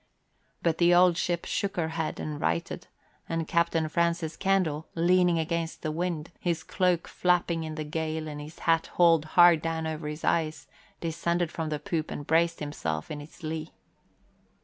But the old ship shook her head and righted and Captain Francis Candle, leaning against the wind, his cloak flapping in the gale and his hat hauled hard down over his eyes, descended from the poop and braced himself in its lee.